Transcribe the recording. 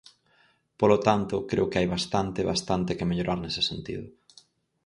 Polo tanto, creo que hai bastante, bastante que mellorar nese sentido.